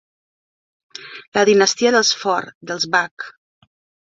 La dinastia dels Ford, dels Bach.